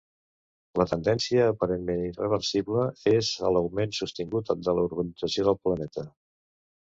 La tendència, aparentment irreversible, és a l'augment sostingut de la urbanització del planeta.